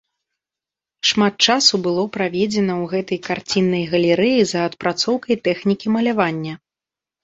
Шмат часу было праведзена ў гэтай карціннай галерэі за адпрацоўкай тэхнікі малявання.